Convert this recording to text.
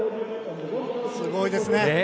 すごいですね。